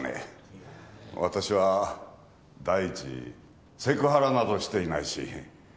わたしは第一セクハラなどしていないし。